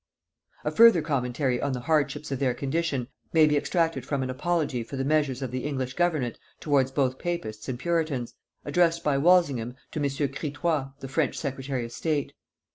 A further commentary on the hardships of their condition may be extracted from an apology for the measures of the English government towards both papists and puritans, addressed by Walsingham to M. Critoy the French secretary of state.